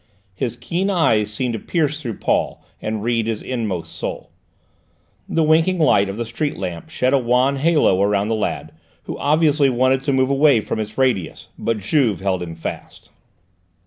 His keen eyes seemed to pierce through Paul and read his inmost soul. The winking light of the street lamp shed a wan halo round the lad, who obviously wanted to move away from its radius, but Juve held him fast.